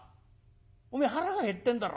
おめえ腹が減ってんだろ？